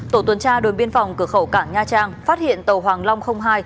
tổ tuần tra đồn biên phòng cửa khẩu cảng nha trang phát hiện tàu hoàng long hai